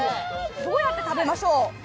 どうやって食べましょう？